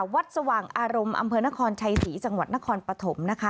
สว่างอารมณ์อำเภอนครชัยศรีจังหวัดนครปฐมนะคะ